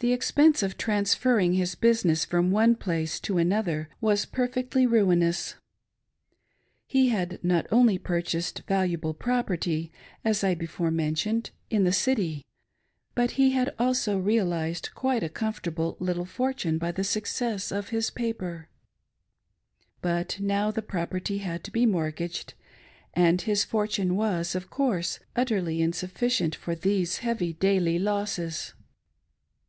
the. expense of transferring hisbusijuess 554 A FREE MAN again! from one place to another was perfectly ruinous. He ha4 not only purchased valuable property, as I before mentioned, in the City, but he had also realised quite a comfortable little fortune by the success of his paper ; but now the property had to be mortgaged, and his fortune was, of course, utterly insufficient for these heavy daily losses.